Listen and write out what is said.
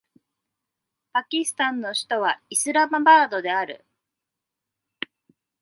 パキスタンの首都はイスラマバードである